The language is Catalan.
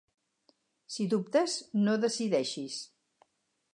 Si dubtes, no decideixis.